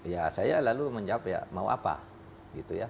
ya saya lalu menjawab ya mau apa